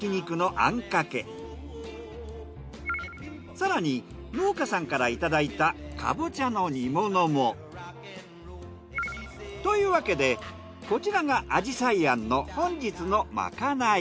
更に農家さんからいただいたかぼちゃの煮物も。というわけでこちらが味菜庵の本日のまかない。